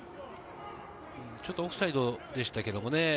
ちょっとオフサイドでしたけれどね。